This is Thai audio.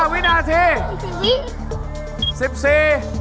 ๑๕วินาที